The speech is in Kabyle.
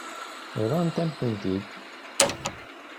Bḍant-am-ten-id.